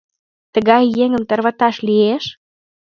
Тыгай еҥым тарваташ лиеш?